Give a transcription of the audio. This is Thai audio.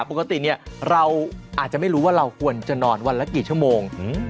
ปกติเราอาจจะไม่รู้ว่าเราควรจะนอนวันละกี่ชั่วโมง